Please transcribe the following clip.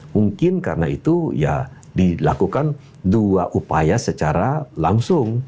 mungkin karena itu ya dilakukan dua upaya secara langsung